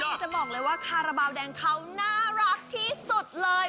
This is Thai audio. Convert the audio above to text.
จะบอกเลยว่าคาราบาลแดงเขาน่ารักที่สุดเลย